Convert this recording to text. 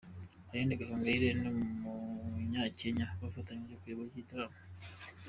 Aline Gahongayire n'umunyakenya bafatanyije kuyobora iki gitaramo.